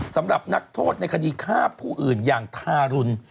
สำหรับนักโทษในคดีฆ่าผู้อื่นอย่างทารุณ